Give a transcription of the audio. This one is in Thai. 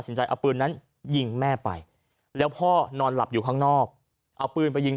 ใจเอาปืนนั้นยิงแม่ไปแล้วพ่อนอนหลับอยู่ข้างนอกเอาปืนไปยิง